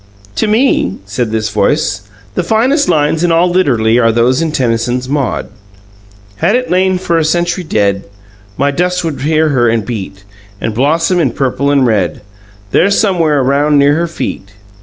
"To me," said this voice, "the finest lines in all literature are those in Tennyson's 'Maud' "'Had it lain for a century dead, My dust would hear her and beat, And blossom in purple and red, There somewhere around near her feet.'